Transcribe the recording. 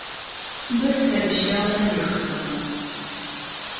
Бетси обещала заехать за мной.